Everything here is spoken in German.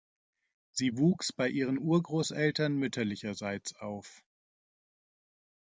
Sie wuchs bei ihren Urgroßeltern mütterlicherseits auf.